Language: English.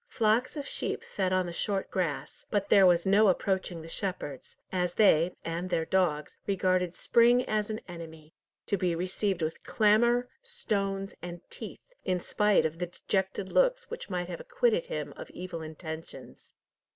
Flocks of sheep fed on the short grass, but there was no approaching the shepherds, as they and their dogs regarded Spring as an enemy, to be received with clamour, stones, and teeth, in spite of the dejected looks which might have acquitted him of evil intentions.